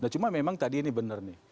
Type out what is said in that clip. cuma memang tadi ini benar nih